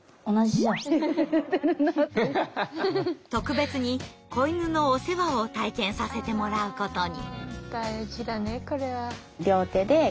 特別に子犬のお世話を体験させてもらうことに。